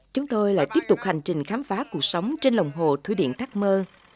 chúng tôi lại tiếp tục hành trình khám phá cuộc sống trên lòng hồ thủy điện thác mơ